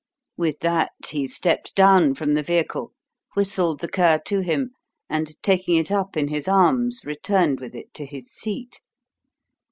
With that, he stepped down from the vehicle, whistled the cur to him, and taking it up in his arms, returned with it to his seat.